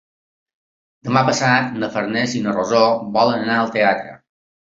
Demà passat na Farners i na Rosó volen anar al teatre.